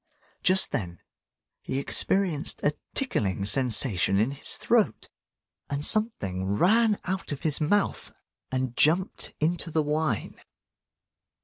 Just then he experienced a tickling sensation in his throat, and something ran out of his mouth and jumped into the wine.